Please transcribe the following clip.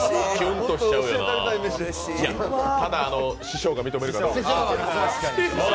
ただ、師匠が認めるかどうかです。